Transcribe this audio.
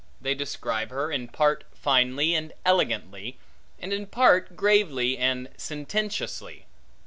They describe her in part finely and elegantly, and in part gravely and sententiously.